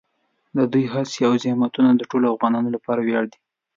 د دوی هڅې او زحمتونه د ټولو افغانانو لپاره ویاړ دي.